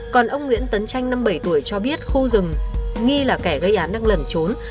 còn ông nguyễn tấn tranh năm bảy tuổi cho biết khu rừng nghi là kẻ gây án đang lẩn trốn